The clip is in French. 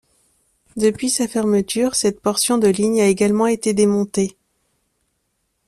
Depuis sa fermeture, cette portion de ligne a également été démontée.